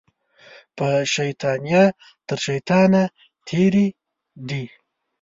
په شیطانیه تر شیطانه تېرې دي